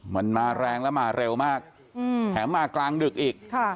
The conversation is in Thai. มันมาแรงแล้วมาเร็วมากแถมมากลางดึกอีก